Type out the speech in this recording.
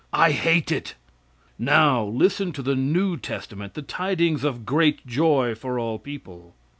I hate it. Now, listen to the new testament, the tidings of great joy for all people!